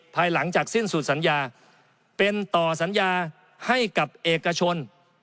ภายหลังจากสิ้นสุดสัญญาเป็นต่อสัญญาให้กับเอกชน